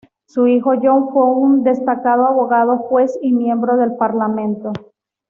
Su hijo John fue un destacado abogado, juez, y miembro del Parlamento.